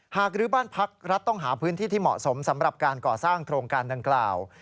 กรื้อบ้านพักรัฐต้องหาพื้นที่ที่เหมาะสมสำหรับการก่อสร้างโครงการดังกล่าว